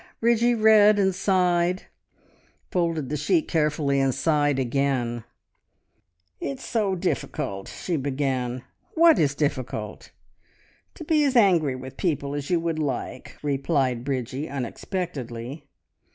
Bridgie read and sighed, folded the sheet carefully, and sighed again. "It's so difficult," she began. "What is difficult?" "To be as angry with people as you would like!" replied Bridgie unexpectedly.